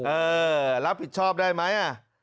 เออรับผิดชอบได้ไหม